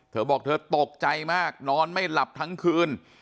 เธอบอกเธอตกใจมากนอนไม่หลับทั้งคืน